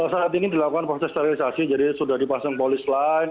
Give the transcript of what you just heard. saat ini dilakukan proses sterilisasi jadi sudah dipasang polis lain